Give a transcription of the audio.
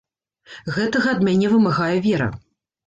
Гэтага ад мяне вымагае вера.